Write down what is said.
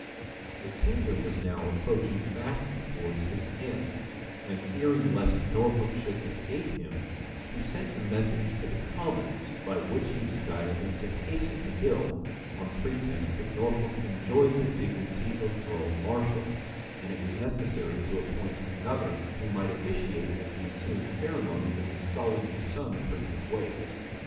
[*] The king was now approaching fast towards his end; and fearing lest Norfolk should escape him, he sent a message to the commons, by which he desired them to hasten the bill, on pretence that Norfolk enjoyed the dignity of earl marshal, and it was necessary to appoint another, who might officiate at the ensuing ceremony of installing his son prince of Wales.